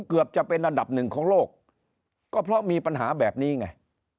เกือบจะเป็นอันดับหนึ่งของโลกก็เพราะมีปัญหาแบบนี้ไง